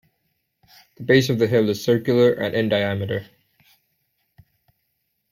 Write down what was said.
The base of the hill is circular and in diameter.